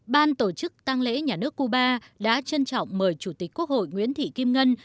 ban tổ chức tăng lễ nhà nước cuba đã trân trọng mời chủ tịch quốc hội nguyễn thị kim ngân